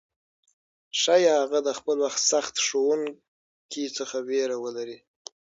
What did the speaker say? ښايي هغه د خپل سخت ښوونکي څخه ویره ولري،